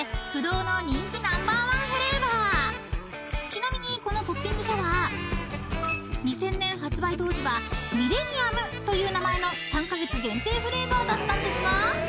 ［ちなみにこのポッピングシャワー２０００年発売当時はミレニアムという名前の３カ月限定フレーバーだったんですが］